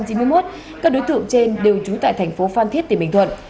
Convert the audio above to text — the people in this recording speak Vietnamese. các đối tượng trên đều trú tại thành phố phan thiết tỉnh bình thuận